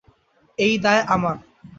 এই দায় আমার।